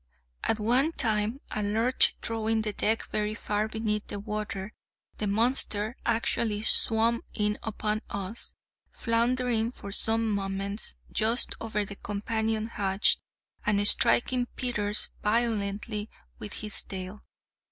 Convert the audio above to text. At one time, a lurch throwing the deck very far beneath the water, the monster actually swam in upon us, floundering for some moments just over the companion hatch, and striking Peters violently with his tail.